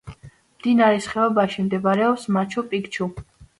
მდინარის ხეობაში მდებარეობს მაჩუ-პიქჩუ.